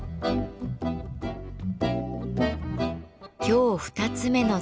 今日２つ目の壺